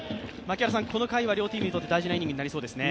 この回は両チームにとって大事なイニングになりそうですね？